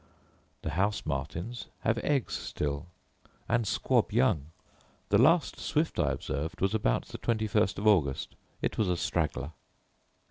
The house martins have eggs still, and squab young. The last swift I observed was about the twenty first of August; it was a straggler.